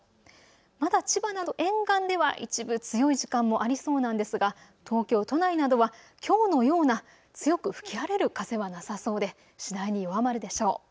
まだ千葉など沿岸では一部強い時間もありそうなんですが、東京都内などはきょうのような強く吹き荒れる風はなさそうで次第に弱まるでしょう。